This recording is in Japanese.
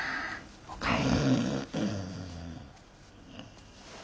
おかえり。